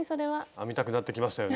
編みたくなってきましたよね。